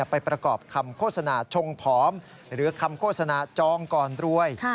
ประกอบคำโฆษณาชงผอมหรือคำโฆษณาจองก่อนรวย